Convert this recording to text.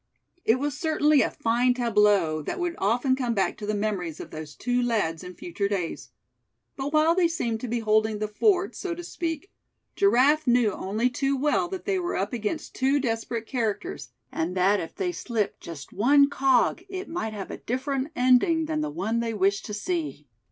It was certainly a fine tableau, that would often come back to the memories of those two lads in future days. But while they seemed to be holding the fort, so to speak, Giraffe knew only too well that they were up against two desperate characters, and that if they slipped just one cog, it might have a different ending than the one they wished to see.